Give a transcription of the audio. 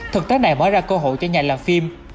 thực tế này mở ra cơ hội cho nhà làm phim